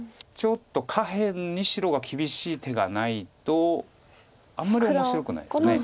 ちょっと下辺に白が厳しい手がないとあんまり面白くないです。